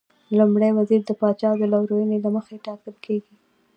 لومړی وزیر د پاچا د لورینې له مخې ټاکل کېږي.